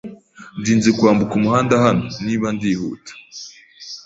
Ndinze kwambuka umuhanda hano niba ndihuta.